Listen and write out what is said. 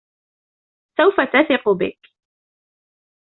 سوف تثق بك.